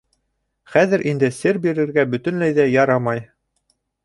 Хәҙер инде сер бирергә бөтөнләй ҙә ярамай.